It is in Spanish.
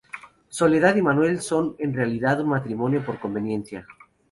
Soledad y Juan Manuel son en realidad un matrimonio por conveniencia.